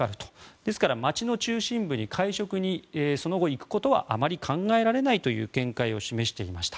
ですから街の中心部に会食にその後行くことはあまり考えられないという見解を示していました。